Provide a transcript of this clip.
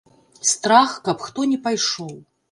Страх, каб хто не пайшоў.